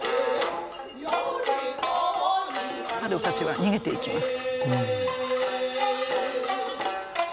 猿たちは逃げていきます。